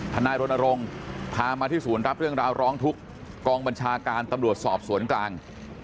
นายรณรงค์พามาที่ศูนย์รับเรื่องราวร้องทุกข์กองบัญชาการตำรวจสอบสวนกลาง